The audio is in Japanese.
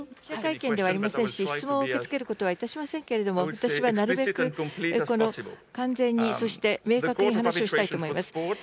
記者会見ではありませんし、質問を受け付けることはいたしませんけれども、私はなるべくこの完全に、そして、明確に話をしたいと思います。